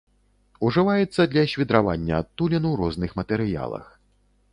Ужываецца для свідравання адтулін у розных матэрыялах.